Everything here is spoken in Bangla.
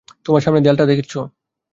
তোমার সামনের দেয়ালটা দেখছো?